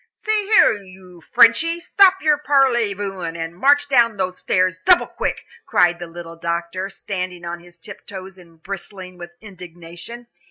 "See here you, Frenchy, stop your parley vousing, and march down those stairs double quick," cried the little doctor, standing on his tiptoes and bristling with indignation.